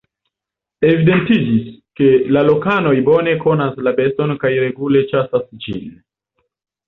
Evidentiĝis, ke la lokanoj bone konas la beston kaj regule ĉasas ĝin.